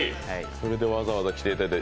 それでわざわざ来ていただいて。